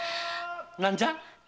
何じゃ？